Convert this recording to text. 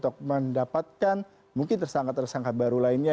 untuk mendapatkan mungkin tersangka tersangka baru lainnya